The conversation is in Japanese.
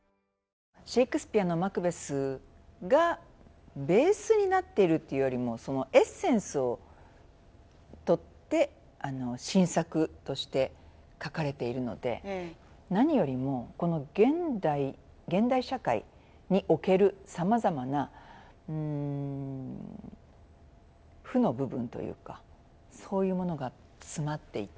シェイクスピエアのマクベスがベースになっているというよりも、エッセンスをとって、新作として書かれているので、何よりもこの現代社会におけるさまざまな負の部分というかそういうものが詰まっていて。